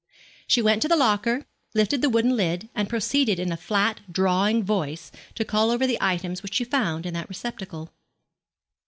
She went to the locker, lifted the wooden lid, and proceeded in a flat, drawling voice to call over the items which she found in that receptacle.